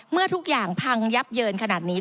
เมื่อทุกอย่างพังยับเยินขนาดนี้